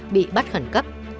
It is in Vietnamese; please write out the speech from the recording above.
bị bắt khẩn cấp